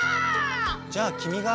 じゃあきみが！